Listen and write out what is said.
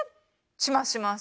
しますします。